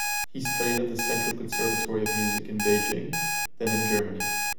He studied at the Central Conservatory of Music in Beijing, then in Germany.